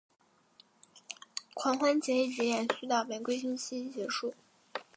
狂欢节一直延续到玫瑰星期一结束。